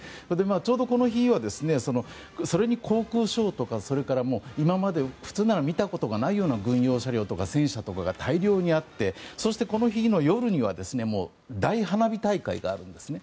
ちょうどこの日はそれに航空ショーとかそれから今まで普通なら見たことがないような軍用車両とか戦車とかが大量にあってそして、この日の夜には大花火大会があるんですね。